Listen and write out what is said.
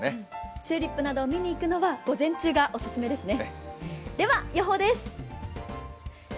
チューリップなどを見に行くのは午前中がオススメですね。